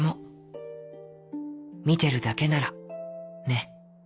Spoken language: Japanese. みてるだけならね」。